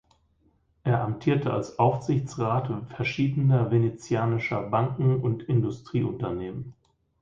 Er amtierte als Aufsichtsrat verschiedener venezianischer Banken und Industrieunternehmen.